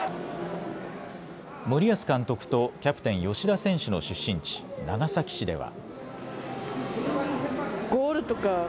森保監督とキャプテン吉田選手の出身地、長崎市では。